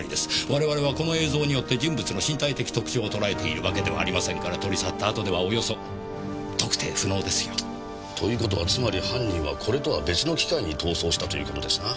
我々はこの映像によって人物の身体的特徴を捉えているわけではありませんから取り去ったあとではおよそ特定不能ですよ。という事はつまり犯人はこれとは別の機会に逃走したという事ですな。